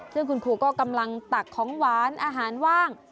ซึ่งคุณครูก็กำลังตักของหวานอาหารว่าง